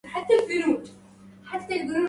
والله لو أن حماماتكم وقعت